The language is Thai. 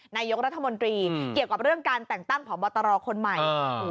นายกรัฐมนตรีเกี่ยวกับเรื่องการแต่งตั้งผอบตรคนใหม่